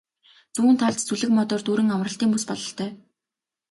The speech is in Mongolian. Зүүн талд зүлэг модоор дүүрэн амралтын бүс бололтой.